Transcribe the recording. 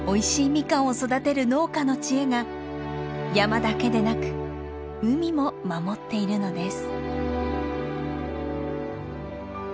ミカンを育てる農家の知恵が山だけでなく海も守っているのです。